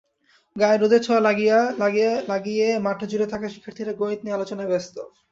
গায়ে রোদের ছোঁয়া লাগিয়ে মাঠজুড়ে থাকা শিক্ষার্থীরা গণিত নিয়ে আলোচনায় ব্যস্ত।